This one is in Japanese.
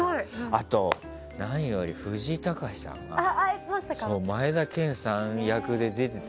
あと何より藤井隆さんが前田健さん役で出ていて。